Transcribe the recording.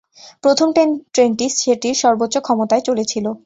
প্রথম ট্রেনটি সেটির সর্বোচ্চ ক্ষমতায় চলেছিল।